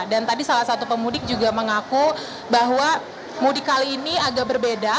dan tadi salah satu pemudik juga mengaku bahwa mudik kali ini agak berbeda